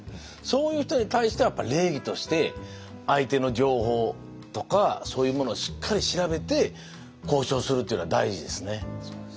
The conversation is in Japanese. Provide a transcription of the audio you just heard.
そういう人に対してはやっぱり礼儀として相手の情報とかそういうものをしっかり調べて交渉するというのは大事ですね。